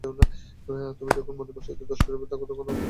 তুমি যখন মনের পশ্চাতে দ্রষ্টারূপে থাক, তখনই উহা চৈতন্যময় হইয়া উঠে।